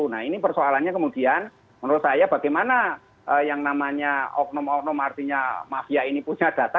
nah ini persoalannya kemudian menurut saya bagaimana yang namanya oknum oknum artinya mafia ini punya data